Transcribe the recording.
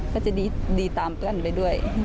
ก็จะดีตามกันไปด้วย